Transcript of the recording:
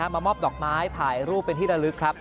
มามอบดอกไม้ถ่ายรูปเป็นที่ระลึกครับ